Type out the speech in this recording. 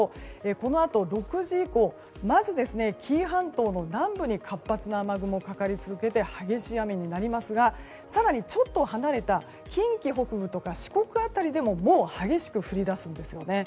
このあと６時以降紀伊半島の南部に活発な雨雲がかかり続けて激しい雨になりますが更にちょっと離れた近畿北部とか四国辺りでも激しく降り出すんですよね。